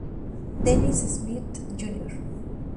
Dennis Smith Jr.